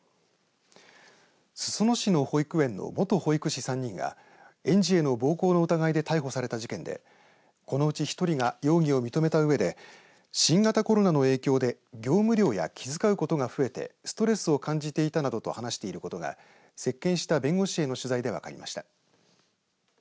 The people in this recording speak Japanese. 裾野市の保育園の元保育士３人が園児への暴行の疑いで逮捕された事件でこのうち１人が容疑を認めたうえで新型コロナの影響で業務量や気遣うことが増えてストレスを感じていたなどと話していることが接見した弁護士への取材で分かりました。